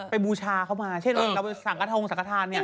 บูชาเขามาเช่นเราไปสั่งกระทงสังขทานเนี่ย